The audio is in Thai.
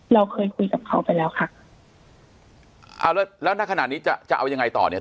เราเคยคุยกับเขาไปแล้วค่ะเอาแล้วแล้วณขณะนี้จะจะเอายังไงต่อเนี่ย